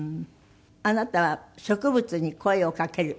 あなたは植物に声をかける？